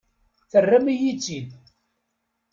Terram-iyi-tt-id.